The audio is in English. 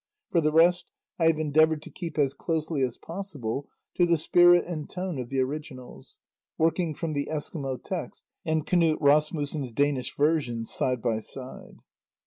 For the rest, I have endeavoured to keep as closely as possible to the spirit and tone of the originals, working from the Eskimo text and Knud Rasmussen's Danish version side by side.